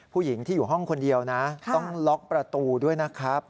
ผู้หญิงที่อยู่ห้องคนเดียวนะต้องล็อกประตูด้วยนะครับ